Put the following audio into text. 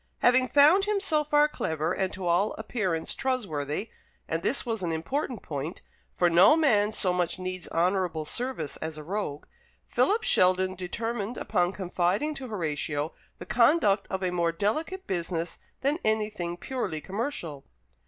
Having found him, so far, clever, and to all appearance trustworthy and this was an important point, for no man so much needs honourable service as a rogue Philip Sheldon determined upon confiding to Horatio the conduct of a more delicate business than anything purely commercial.